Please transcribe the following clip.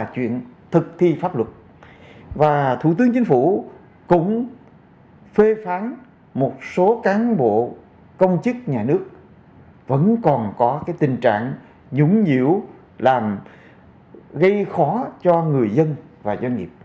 các thành phố cán bộ công chức nhà nước vẫn còn có cái tình trạng nhũng nhiễu làm gây khó cho người dân và doanh nghiệp